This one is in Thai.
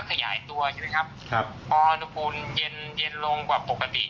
ขยายตัวใช่ไหมครับครับพออุณหภูมิเย็นเย็นลงกว่าปกติ